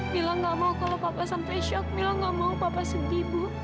mila nggak mau kalau papa sampai shock mila nggak mau papa sedih bu